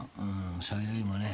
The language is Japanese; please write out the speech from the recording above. それよりもね